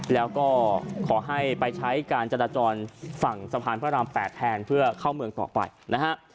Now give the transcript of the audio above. แล้วก็ขอให้ไปใช้การจราจรฝั่งสะพานพระราม๘แทนเพื่อเข้าเมืองต่อไปนะฮะ